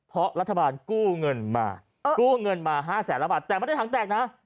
เพราะรัฐบาลกู้เงินมากู้เงินมา๕แสนละบาทแต่ไม่ได้ถังแตกนะ